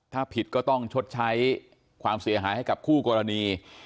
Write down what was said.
ถ้าผิดก็ต้องชดใช้ความเสียหายให้กับคู่กรณี